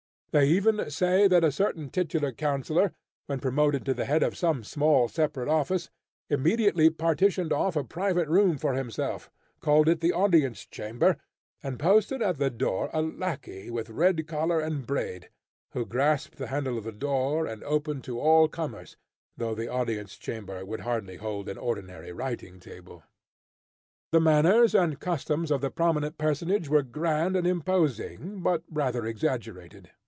They even say that a certain titular councillor, when promoted to the head of some small separate office, immediately partitioned off a private room for himself, called it the audience chamber, and posted at the door a lackey with red collar and braid, who grasped the handle of the door, and opened to all comers, though the audience chamber would hardly hold an ordinary writing table. The manners and customs of the prominent personage were grand and imposing, but rather exaggerated.